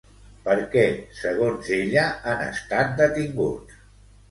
Per què, segons ella, han estat detinguts?